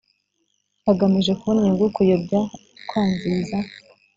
agamije kubona inyungu kuyobya kwangiza